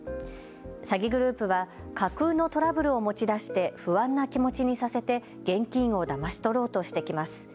詐欺グループは架空のトラブルを持ち出して不安な気持ちにさせて現金をだまし取ろうとしてきます。